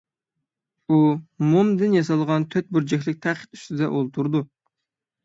ئۇ مومدىن ياسالغان تۆت بۇرجەكلىك تەخت ئۈستىدە ئولتۇرىدۇ.